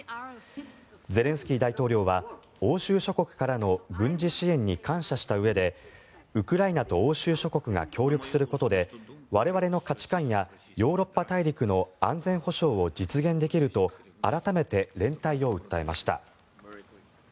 ゼレンスキー大統領は欧州諸国からの軍事支援に感謝したうえでウクライナと欧州諸国が協力することで我々の価値観やヨーロッパ大陸の安全保障を実現できると改めて連帯を訴えました。